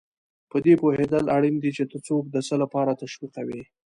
په دې پوهېدل اړین دي چې ته څوک د څه لپاره تشویقوې.